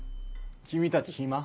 君たち暇？